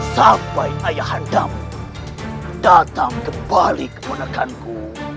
sampai ayah andam datang kembali ke penegakanku